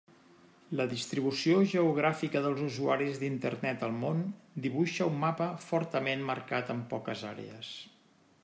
La distribució geogràfica dels usuaris d'Internet al món dibuixa un mapa fortament marcat en poques àrees.